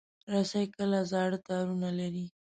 رسۍ کله زاړه تارونه لري.